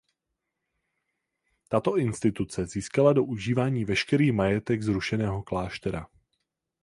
Tato instituce získala do užívání veškerý majetek zrušeného kláštera.